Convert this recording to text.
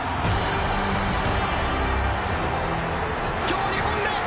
今日２本目。